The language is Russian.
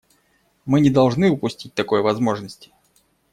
Мы не должны упустить такой возможности.